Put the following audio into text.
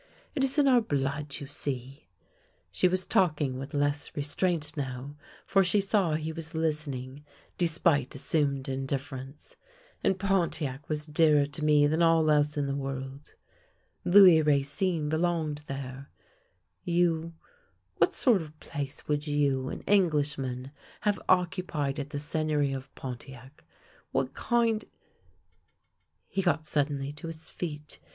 It is in our blood, you see "— she was talking with less restraint now, for she saw he was listening, despite assumed indifference —" and Pontiac was dearer to me than all else in the world. Louis Racine belonged there. You — what sort of place THE LANE THAT HAD NO TURNING 65 would you, an Englishman, have occupied at the Sei g^eury of Pontiac! What kind " He got suddenly to his feet.